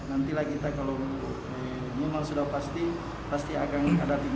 nantilah kita kalau normal sudah pasti pasti akan ada tindak lanjut dari ini